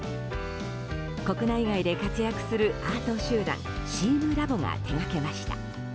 国内外で活躍するアート集団チームラボが手がけました。